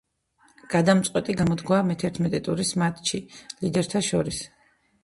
გადამწყვეტი გამოდგა მეთერთმეტე ტურის მატჩი ლიდერთა შორის.